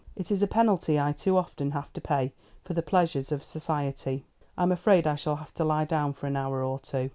It is a penalty I too often have to pay for the pleasures of society. I'm afraid I shall have to lie down for an hour or two."